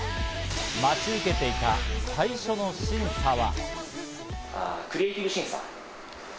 待ち受けていた最初の審査は。